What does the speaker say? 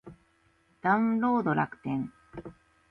ダウンロード楽天